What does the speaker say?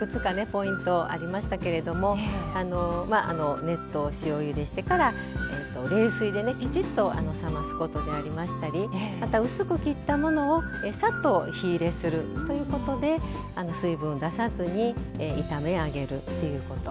ポイントありましたけれどもあのまああの熱湯塩ゆでしてから冷水でねきちっと冷ますことでありましたりまた薄く切ったものをさっと火入れするということで水分出さずに炒めあげるっていうこと。